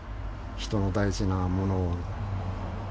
人の大事なものを。